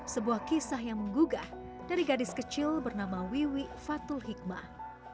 sebuah kisah yang menggugah dari gadis kecil bernama wiwi fatul hikmah